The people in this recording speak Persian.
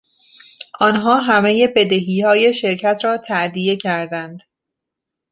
آنها همهی بدهیهای شرکت را تادیه کردند.